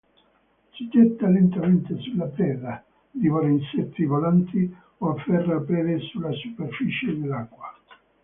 Si getta lentamente sulla preda, divora insetti volanti o afferra prede sulla superficie dell'acqua.